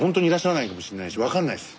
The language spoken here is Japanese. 分かんないです。